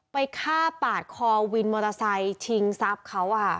ไปฆ่าปาดคอวินมอเตอร์ไซค์ชิงทรัพย์เขา